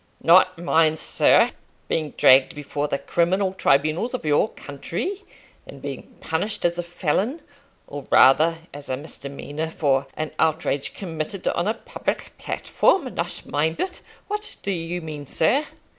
"Not mind, sir, being dragged before the criminal tribunals of your country, and being punished as a felon, or rather as a misdemeanour, for an outrage committed on a public platform! Not mind it! What do you mean, sir?"